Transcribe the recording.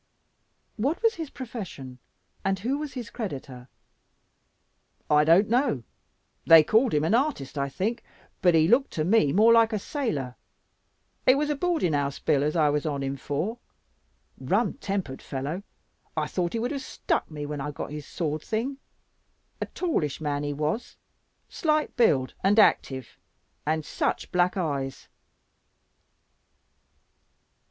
"What was his profession? And who was his creditor?' "I don't know. They called him an artist I think, but he look to me more like a sailor. It was a boarding house bill, as I was on him for. Rum tempered fellow. I thought he would have stuck me when I got his sword thing. A tallish man he was, slight build, and active, and such black eyes."